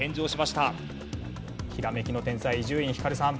ひらめきの天才伊集院光さん。